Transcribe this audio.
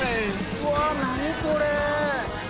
うわ何これ！？